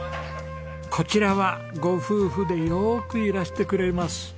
こちらはご夫婦でよくいらしてくれます。